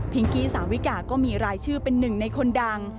กี้สาวิกาก็มีรายชื่อเป็นหนึ่งในคนดัง